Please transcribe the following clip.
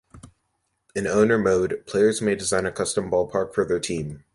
In Owner Mode, players may design a custom ballpark for their team.